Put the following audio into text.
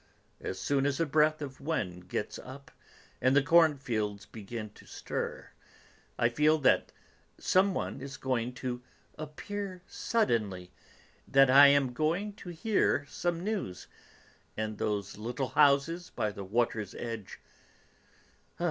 As soon as a breath of wind gets up, and the cornfields begin to stir, I feel that some one is going to appear suddenly, that I am going to hear some news; and those little houses by the water's edge...